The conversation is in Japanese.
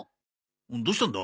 どうしたんだ？